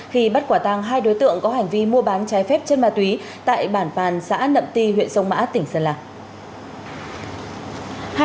khi bắt quả tàng hai đối tượng có hành vi mua bán trái phép chân ma túy tại bản bàn xã nậm ti huyện sông mã tỉnh sơn la